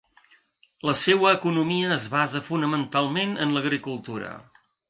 La seua economia es basa fonamentalment en l'agricultura.